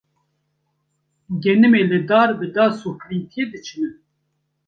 genimê li dar bi das û kîlîntiyê diçînîn